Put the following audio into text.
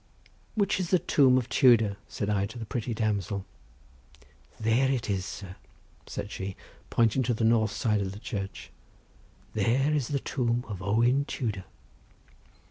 "Which is the tomb of Tudor?" said I to the pretty damsel. "There it is, sir," said she, pointing to the north side of the church; "there is the tomb of Owen Tudor."